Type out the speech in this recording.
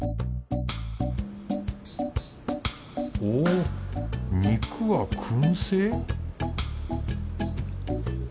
お肉はくん製？